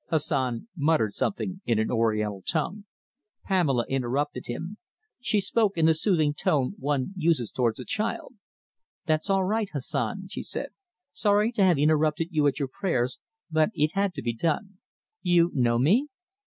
Hassan muttered something in an Oriental tongue. Pamela interrupted him. She spoke in the soothing tone one uses towards a child. "That's all right, Hassan," she said. "Sorry to have interrupted you at your prayers, but it had to be done. You know me?"